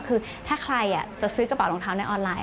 คือถ้าใครจะซื้อกระเป๋ารองเท้าในออนไลน